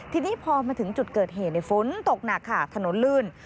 ทีนี้พอมาถึงจุดเกิดเหตุในฝนตกหนักค่ะถนนลื่น